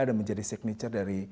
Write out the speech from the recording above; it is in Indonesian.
dan menjadi signature dari umkm